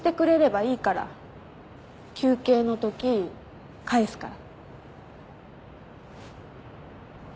休憩のとき返すから。